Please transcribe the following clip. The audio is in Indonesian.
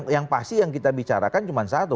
yang pasti yang kita bicarakan cuma satu